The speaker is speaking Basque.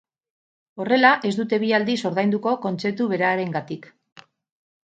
Horrela ez dute bi aldiz ordainduko kontzeptu berarengatik